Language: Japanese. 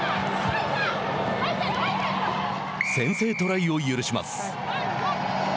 先制トライを許します。